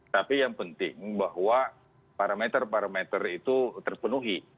tapi yang penting bahwa parameter parameter itu terpenuhi